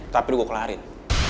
tapi gue kelarin